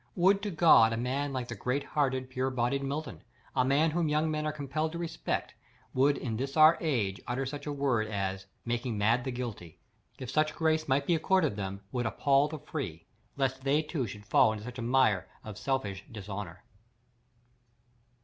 Would to God a man like the great hearted, pure bodied Milton, a man whom young men are compelled to respect, would in this our age, utter such a word as, making "mad the guilty," if such grace might be accorded them, would "appal the free," lest they too should fall into such a mire of selfish dishonour!